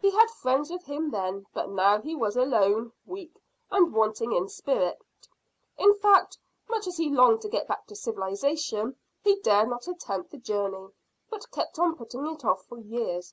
He had friends with him then, but now he was alone, weak, and wanting in spirit. In fact, much as he longed to get back to civilisation, he dared not attempt the journey, but kept on putting it off for years."